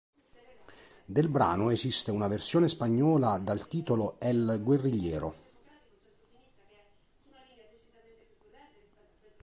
Del brano esiste una versione spagnola dal titolo "El guerrigliero"..